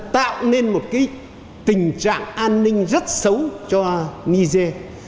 tạo nên một tình trạng an ninh rất xấu cho niger